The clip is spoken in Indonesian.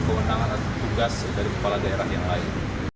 dengan tangan tugas dari kepala daerah yang lain